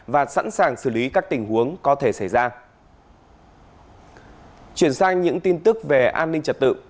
và sẵn sàng xử lý các tình huống có thể xảy ra